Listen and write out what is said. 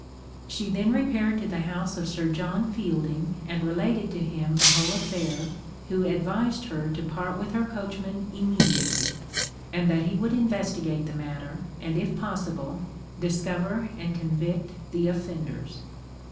She then repaired to the house of Sir John Fielding, and related to him the whole affair, who advised her to part with her coachman immediately, and that he would investigate the matter, and, if possible, discover and convict the offenders.